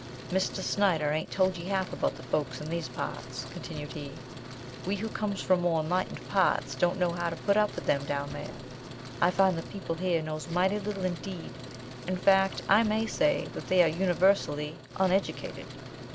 "Mr. Snyder ain't told ye half about the folks in these parts," continued he; "we who comes from more enlightened parts don't know how to put up with 'em down here. I find the people here knows mighty little indeed; in fact, I may say they are univarsaly onedicated.